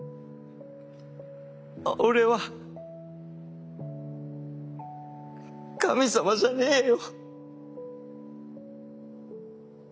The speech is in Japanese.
俺は神様じゃねぇよ。